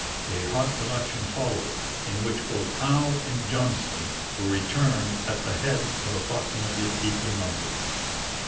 A hot election followed, in which both Howe and Johnston were returned at the head of approximately equal numbers.